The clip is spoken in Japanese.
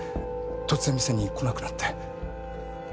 突然店に来なくなって。